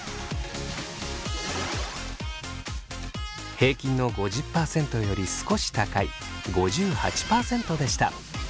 平均の５０％より少し高い５８％でした。